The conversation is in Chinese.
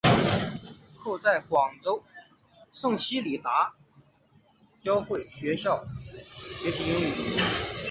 后在广州圣希理达教会学校学习英语。